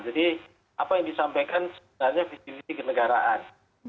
jadi apa yang disampaikan sebenarnya visi visi kenegaraan